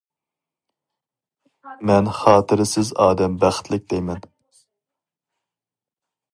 مەن:« خاتىرىسىز ئادەم بەختلىك» دەيمەن.